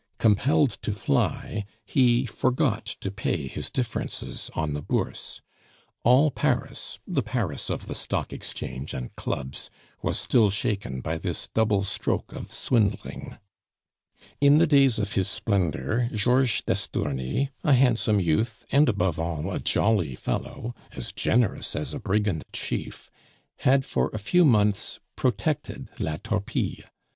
Compelled to fly, he forgot to pay his differences on the Bourse. All Paris the Paris of the Stock Exchange and Clubs was still shaken by this double stroke of swindling. In the days of his splendor Georges d'Estourny, a handsome youth, and above all, a jolly fellow, as generous as a brigand chief, had for a few months "protected" La Torpille.